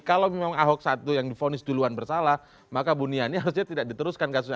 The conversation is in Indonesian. kalau memang ahok satu yang difonis duluan bersalah maka buniani harusnya tidak diteruskan kasusnya